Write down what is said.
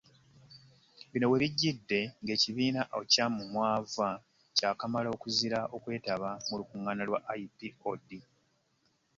Bino we bijjidde ng'ekibiina Ochan mw'ava kyakamala okuzira okwetaba mu lukuŋŋaana lwa IPOD